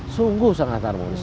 sungguh sangat harmonis